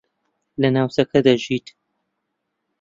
لە ناوچەکە دەژیت؟